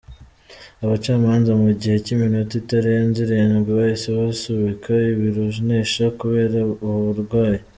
Abacamanza mu gihe cy’iminota itarenze irindwi bahise basubika iburanisha kubera ubu burwayi.